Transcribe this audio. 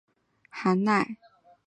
性喜温暖润湿气候且耐寒。